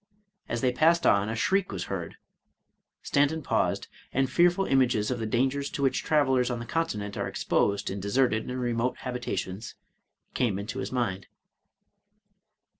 As they passed on, a shriek was heard. Stanton paused, and fearful images of the dangers to which travelers on the Continent are exposed in deserted and remote habita tions, came into his mind.